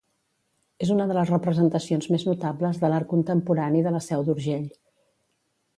És una de les representacions més notables de l'art contemporani de la Seu d'Urgell.